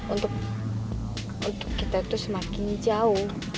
untuk kita itu semakin jauh